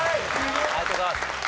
ありがとうございます。